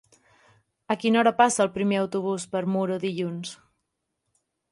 A quina hora passa el primer autobús per Muro dilluns?